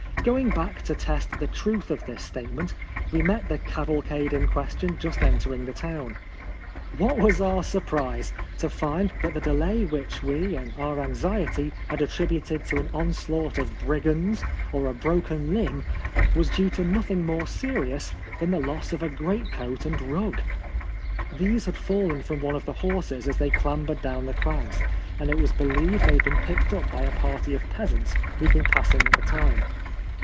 Going back to test the truth of this statement, we met the caval cade in question just entering the town. What was our surprise to find that the delay which we, in our anxiety, had attributed to an onslaught of brigands or a broken limb, was due to nothing more se rious than the loss of a greatcoat and rug ! These had fallen from one of the horses as they clamber ed down the crags ; and it was believed they had been picked up by a party of peasants who had been passing at the time.